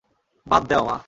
বাদ দেও, মা?